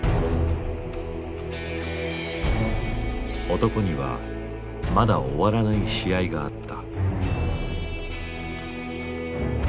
男にはまだ終わらない試合があった。